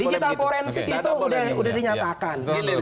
digital forensik itu sudah dinyatakan